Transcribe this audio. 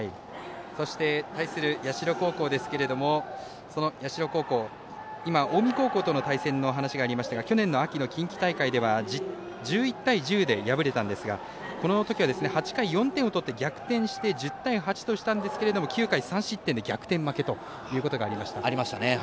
そして対する社高校ですけども今、近江高校との対戦の話がありましたが去年の秋の近畿大会では１１対１０で敗れたんですがこのときは８回４点を取って逆転して１０対８としたんですが９回３失点で逆転負けがありました。